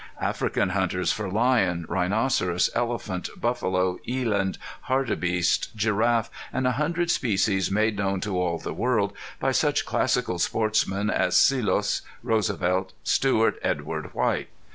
African hunters for lion, rhinoceros, elephant, buffalo, eland, hartebeest, giraffe, and a hundred species made known to all the world by such classical sportsmen as Selous, Roosevelt, Stewart Edward White.